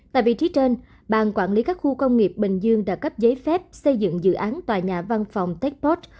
tại vị trí trên bàn quản lý các khu công nghiệp bình dương đã cấp giấy phép xây dựng dự án tòa nhà văn phòng tech pot